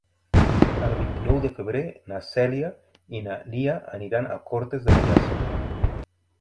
El vint-i-nou de febrer na Cèlia i na Lia aniran a Cortes de Pallars.